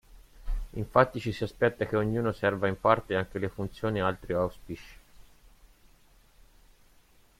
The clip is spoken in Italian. Infatti ci si aspetta che ognuno serva in parte anche le funzioni altri auspice.